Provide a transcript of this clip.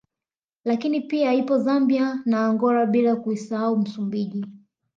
Lakini pia ipo Zambia na Angola bila kuisahau Msumbiji